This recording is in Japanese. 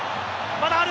まだある。